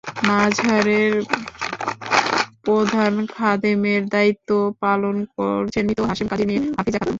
মাজারের প্রধান খাদেমের দায়িত্ব পালন করছেন মৃত হাসেম কাজীর মেয়ে হাফিজা খাতুন।